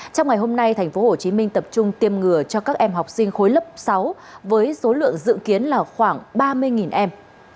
trong ngày hôm nay thành phố hồ chí minh tập trung tiêm ngừa cho các em học sinh khối lớp sáu với số lượng dự kiến là khoảng ba mươi em